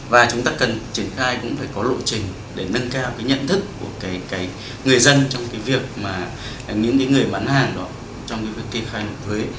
và chúng ta cần triển khai cũng phải có lộ trình để nâng cao nhận thức của người dân trong việc những người bán hàng đó trong việc kê khoai thuế